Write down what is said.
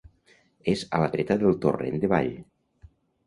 És a la dreta del Torrent de Vall.